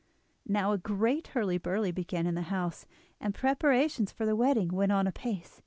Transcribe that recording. Now a great hurly burly began in the house, and preparations for the wedding went on apace.